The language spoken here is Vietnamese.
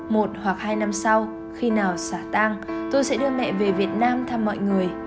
một hoặc hai năm sau khi nào xả tang tôi sẽ đưa mẹ về việt nam thăm mọi người